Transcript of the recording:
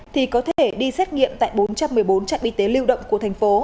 thì có thể đi xét nghiệm tại bốn trăm một mươi bốn trạm y tế lưu động của thành phố